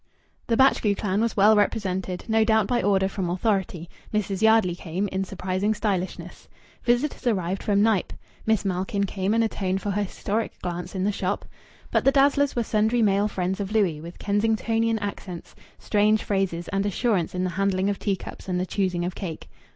The Batchgrew clan was well represented, no doubt by order from authority, Mrs. Yardley came, in surprising stylishness. Visitors arrived from Knype. Miss Malkin came and atoned for her historic glance in the shop. But the dazzlers were sundry male friends of Louis, with Kensingtonian accents, strange phrases, and assurance in the handling of teacups and the choosing of cake....